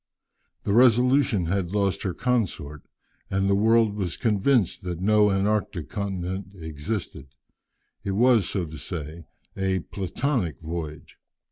The Resolution had lost her consort, and the world was convinced that no Antarctic continent existed. It was, so to say, a "platonic" voyage.